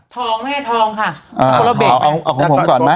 ทองแม่ทองค่ะเอาของผมก่อนมั้ย